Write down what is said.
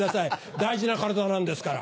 大事な体なんですから。